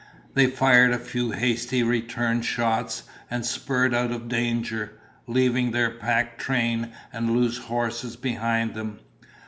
They fired a few hasty return shots and spurred out of danger, leaving their pack train and loose horses behind them.